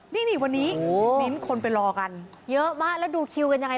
นี่วันนี้มิ้นคนไปรอกันเยอะมากแล้วดูคิวกันยังไง